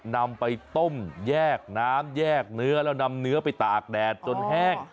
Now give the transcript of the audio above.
นำไปต้มแยกน้ำแยกเนื้อแล้วนำเนื้อไปตากแดดจนแห้ง